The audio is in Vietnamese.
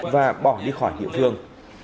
và bỏ đi khỏi địa phương